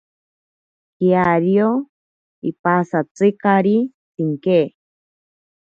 Kiario ipasatzikari tsinke.